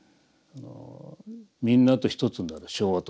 みんなと一つになる唱和と言います。